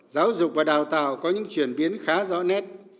giáo dục và đào tạo có những chuyển biến khá rõ nét